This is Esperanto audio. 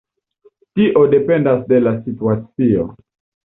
Tio dependas de la situacio.